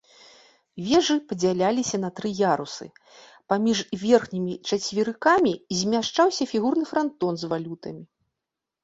Вежы падзяліліся на тры ярусы, паміж верхнімі чацверыкамі змяшчаўся фігурны франтон з валютамі.